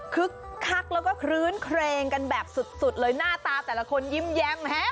คักแล้วก็คลื้นเครงกันแบบสุดเลยหน้าตาแต่ละคนยิ้มแย้ม